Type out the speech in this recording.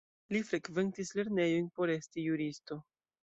Li frekventis lernejojn por esti juristo.